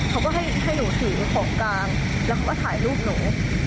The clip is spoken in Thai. เขาก็ให้หนูถือของกลางแล้วเขาก็ถ่ายรูปหนู